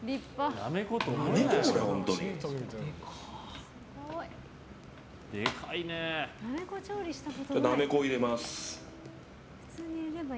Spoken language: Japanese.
なめこを入れます。